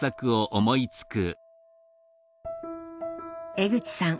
江口さん